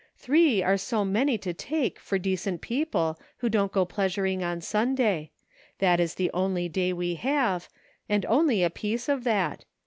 Three are so many to take, for decent people, who don't go pleasuring on Sunday ; that is the only day we have, and only a piece of that.